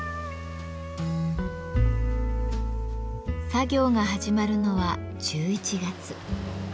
作業が始まるのは１１月。